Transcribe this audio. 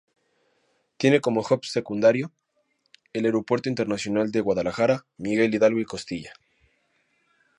Tiene como hub secundario el Aeropuerto Internacional de Guadalajara "Miguel Hidalgo y Costilla".